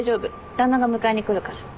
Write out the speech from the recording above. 旦那が迎えに来るから。